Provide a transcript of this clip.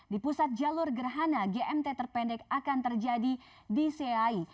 di pusat jalur gerhana gmt terpendek akan terjadi di siai